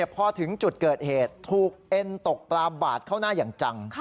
พอถึงจุดเกิดเหตุถูกเอ็นตกปลาบาดเข้าหน้าอย่างจัง